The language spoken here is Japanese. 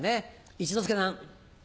一之輔さん。